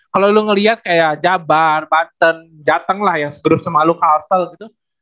kalo lo ngeliat kayak jabar banten jateng lah yang se group sama lo kassel gitu